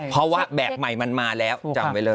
เพราะว่าแบบใหม่มันมาแล้วจำไว้เลย